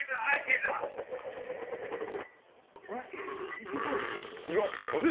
いけたんじゃないですか？